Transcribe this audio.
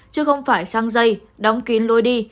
chứ không phải sang dây đóng kín lôi đi